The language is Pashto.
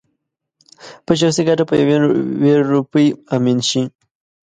په شخصي ګټه په يوه روپۍ امين شي